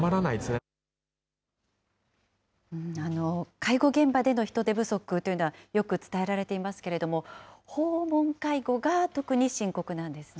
介護現場での人手不足というのは、よく伝えられていますけども、訪問介護が特に深刻なんですね。